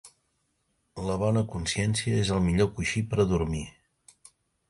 La bona consciència és el millor coixí per a dormir.